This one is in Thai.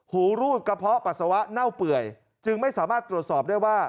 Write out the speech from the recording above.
หูรูดกระเพาะปัสสาวะเน่าเปื่อยจึงไม่สามารถตรวจสอบได้ว่า